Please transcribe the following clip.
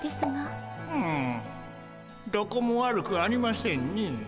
うんどこも悪くありませんね。